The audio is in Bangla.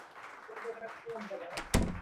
গতকালই বলেছিলে, তুমি হয়তো ভুলে গেছো।